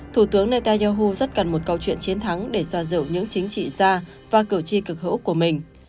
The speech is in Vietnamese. thủ tướng netanyahu rất cần một câu chuyện chiến thắng để xoa dịu những chính trị gia và cử tri cực hữu của mình